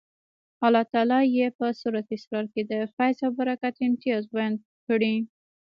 الله تعالی یې په سورة الاسرا کې د فیض او برکت امتیاز بیان کړی.